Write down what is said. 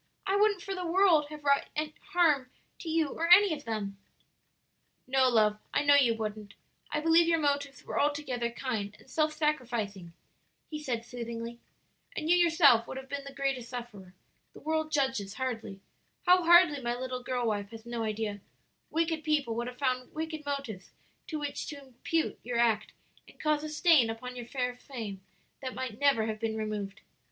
"I wouldn't for the world have wrought harm to you or any of them." "No, love, I know you wouldn't. I believe your motives were altogether kind and self sacrificing," he said soothingly; "and you yourself would have been the greatest sufferer; the world judges hardly how hardly my little girl wife has no idea; wicked people would have found wicked motives to which to impute your act and caused a stain upon your fair fame that might never have been removed.